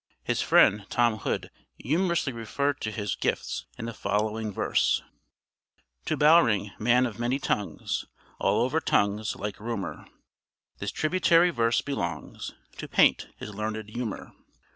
His friend Tom Hood humorously referred to his gifts in the following verse: "To Bowring! man of many tongues, (All over tongues, like rumor) This tributary verse belongs To paint his learned humor.